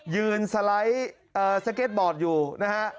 ยืนสไลด์อ่าสะเก็บบอตอยู่นะฮะ